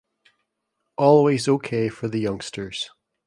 Always okay for the youngsters.